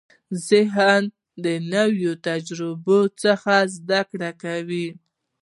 ذهن د نوې تجربې څخه زده کړه کوي.